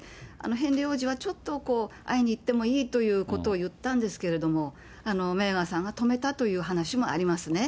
ヘンリー王子はちょっと会いに行ってもいいということを言ったんですけれども、メーガンさんが止めたという話もありますね。